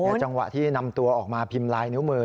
จังหวะที่นำตัวออกมาพิมพ์ลายนิ้วมือ